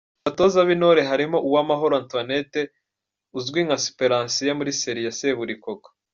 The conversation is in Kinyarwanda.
Mu batoza b'intore harimo Uwamahoro Antoinette uzwi nka Siperansiya muri serie ya Seburikoko.